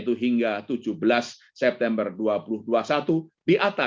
kami mengganggu pengajaran pengajaran yang paling warm warm hokkana